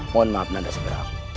mohon maaf nanda seberang